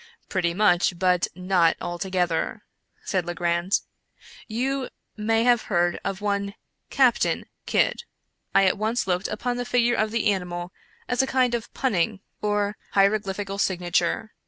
" Pretty much, but not altogether," said Legrand. " You may have heard of one Captain Kidd. I at once looked upon the figure of the animal as a kind of punning or hieroglyphical signature.